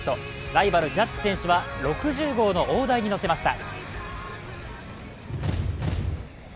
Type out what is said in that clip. ライバル、ジャッジ選手は６０号の大台に乗せました。